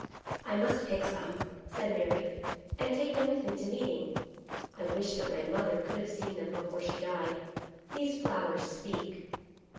I must pick some," said Mary, " and take them with me to meeting. I wish that my mother could have seen them before she died. These flowers speak."